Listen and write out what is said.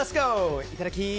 いただき！